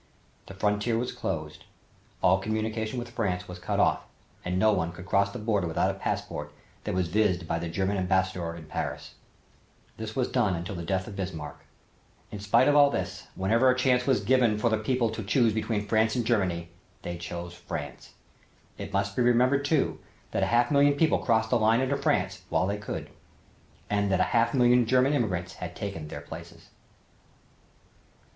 The frontier was closed, all communication with France was cut off and no one could cross the border without a passport that was vized by the German Ambassador in Paris. This was done until the death of Bismarck. In spite of all this, whenever a chance was given for the people to choose between France and Germany, they chose France. It must be remembered too, that a half million people crossed the line into France while they could and that a half million German immigrants had taken their places.